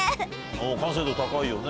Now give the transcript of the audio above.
完成度高いよね。